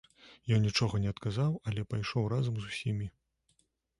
Ён нічога не адказаў, але пайшоў разам з усімі.